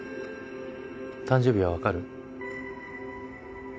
誕生日はわかる？